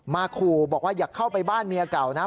ขู่บอกว่าอย่าเข้าไปบ้านเมียเก่านะ